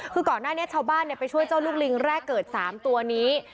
คือก่อนหน้านี้ชาวบ้านไปช่วยเจ้าลูกลิงแรกเกิด๓ตัวนี้